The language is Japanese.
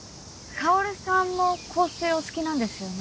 カオルさんも香水お好きなんですよね？